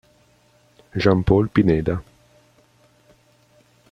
Jean Paul Pineda